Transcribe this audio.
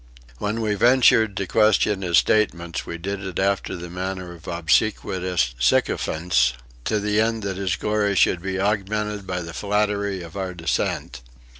When we ventured to question his statements we did it after the manner of obsequious sycophants, to the end that his glory should be augmented by the flattery of our dissent.